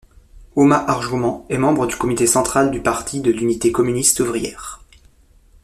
Homa Arjomand est membre du comité central du Parti de l'unité communiste-ouvrière.